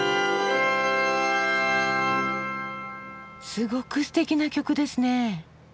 すごくすてきな曲ですね。